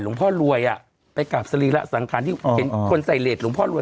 พ่อรวยอ่ะไปกราบสรีระสังขารที่เห็นคนใส่เลสหลวงพ่อรวย